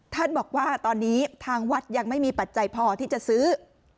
ท่านบอกว่าตอนนี้ทางวัดยังไม่มีปัจจัยพอที่จะซื้อ